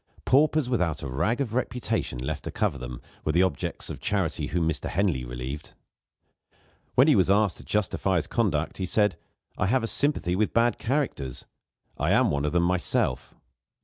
Paupers without a rag of reputation left to cover them, were the objects of charity whom Mr. Henley relieved. When he was asked to justify his conduct, he said: "I have a sympathy with bad characters I am one of them myself."